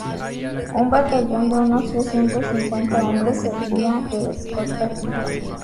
Un batallón de unos trescientos cincuenta hombres servía de escolta a Tito.